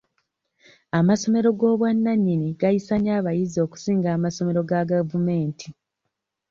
Amasomero g'obwannanyini gayisa nnyo abayizi okusinga amasomero ga gavumenti.